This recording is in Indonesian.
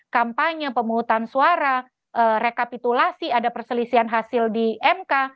kampanye pemungutan suara rekapitulasi ada perselisihan hasil di mk